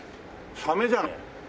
サメじゃないね。